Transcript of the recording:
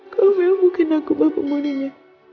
kau mau mungkin aku bapak moninya